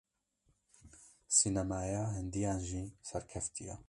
Sînemaya Hindiyan jî serkevtî ye.